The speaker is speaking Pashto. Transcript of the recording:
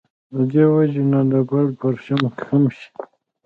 د دې وجې نه بلډ پرېشر کم شي